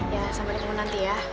ya sampai ketemu nanti ya